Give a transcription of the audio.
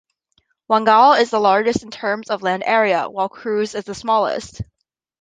Wangal is the largest in terms of land area, while Cruz is the smallest.